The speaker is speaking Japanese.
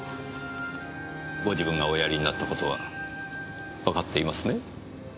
ご自分がおやりになった事はわかっていますね？